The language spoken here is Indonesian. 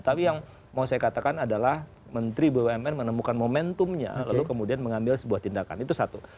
tapi yang mau saya katakan adalah menteri bumn menemukan momentumnya lalu kemudian mengambil sebuah tindakan itu satu